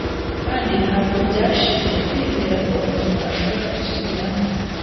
kandi ntabwo byashize kwizera ko umuntu ashobora gusubiramo